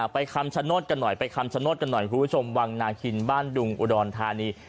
ไปคำฉันนชกันคุณผู้ชมวางนางขินบ้านดุงอุดรทานี